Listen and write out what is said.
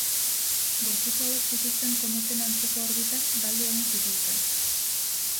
Gorputz hauek zituzten kometen antzeko orbitak galdu egin zituzten.